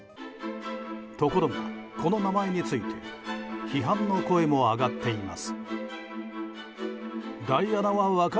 ところが、この名前について批判の声も上がっています。